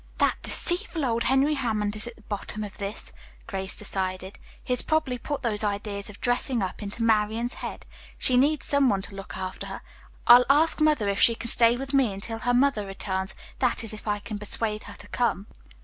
"That deceitful old Henry Hammond is at the bottom of this," Grace decided. "He has probably put those ideas of dressing up into Marian's head. She needs some one to look after her. I'll ask mother if she can stay with me until her mother returns, that is if I can persuade her to come."